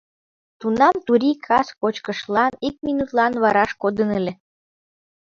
Тунам Турий кас кочкышлан ик минутлан вараш кодын ыле.